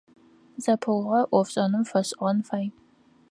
Зэпыугъо IофшIэным фэшIыгъэн фай.